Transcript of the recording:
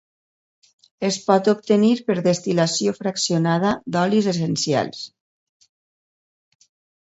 Es pot obtenir per destil·lació fraccionada d'olis essencials.